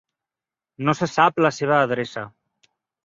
No se sap la seva adreça.